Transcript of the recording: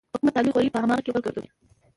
په کومه تالې خوري، په هماغه کې غول کوي.